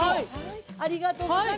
ありがとうございます。